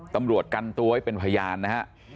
ตำรวจกันตัวไว้เป็นพยานนะฮะ